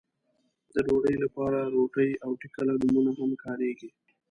د ډوډۍ لپاره روټۍ او ټکله نومونه هم کاريږي.